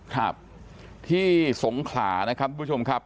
ครับที่สงขลานะครับทุกผู้ชมครับ